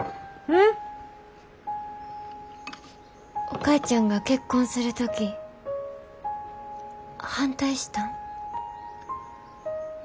お母ちゃんが結婚する時反対したん？